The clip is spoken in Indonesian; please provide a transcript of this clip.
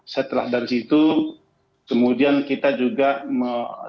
setelah dari situ kemudian kita juga melakukan